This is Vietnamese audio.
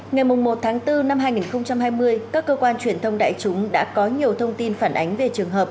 ngày một tháng bốn năm hai nghìn hai mươi các cơ quan truyền thông đại chúng đã có nhiều thông tin phản ánh về trường hợp